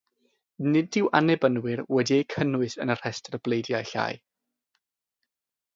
Nid yw annibynwyr wedi'u cynnwys yn y rhestr o bleidiau llai.